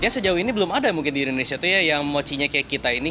sejauh ini belum ada mungkin di indonesia yang mochinya kayak kita ini